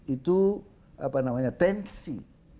itu apa namanya tensi